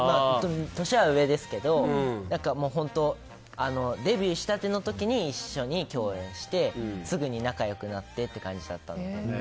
年は上ですけどデビューしたての時に一緒に共演してすぐに仲良くなってって感じだったので。